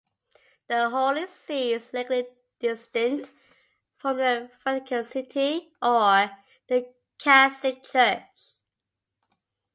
The Holy See is legally distinct from the Vatican City or the Catholic Church.